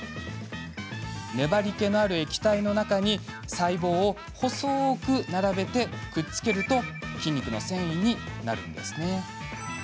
粘りけのある液体の中に細胞を細く並べてくっつけると筋肉の線維を作ります。